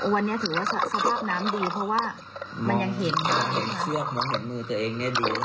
วันนี้ถือว่าสภาพน้ำดีเพราะว่ามันยังเห็นอยู่เห็นเชือกเนอะเห็นมือตัวเองเนี่ยดี